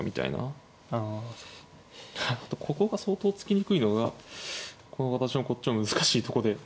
ここが相当突きにくいのが私もこっちも難しいとこで。